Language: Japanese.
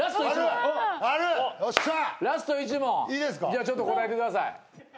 じゃあちょっと答えてください。